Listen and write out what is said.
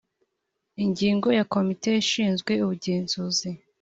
Ingingo ya komite ishinzwe ubugenzuzi